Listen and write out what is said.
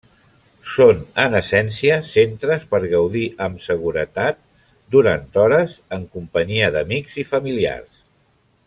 Són en essència centres per gaudir amb seguretat durant hores en companyia d'amics i familiars.